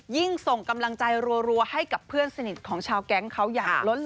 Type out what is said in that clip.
ส่งกำลังใจรัวให้กับเพื่อนสนิทของชาวแก๊งเขาอย่างล้น